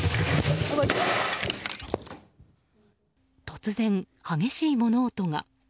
突然、激しい物音が。